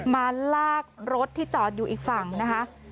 มาลากรถที่จอดอยู่อีกฝั่งนะคะ